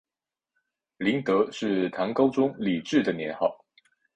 麟德是唐高宗李治的年号。